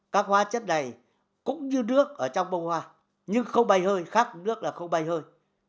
các hóa chất này cũng như nước ở trong bông hoa nhưng không bay hơi khác nước là không bay hơi